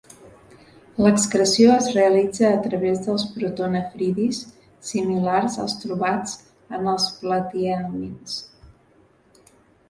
L'excreció es realitza a través de protonefridis similars als trobats en els platihelmints.